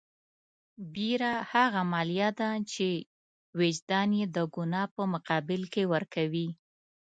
بېره هغه مالیه ده چې وجدان یې د ګناه په مقابل کې ورکوي.